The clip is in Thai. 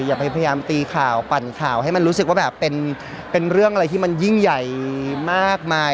อย่าพยายามตีข่าวปั่นข่าวให้มันรู้สึกว่าแบบเป็นเรื่องอะไรที่มันยิ่งใหญ่มากมาย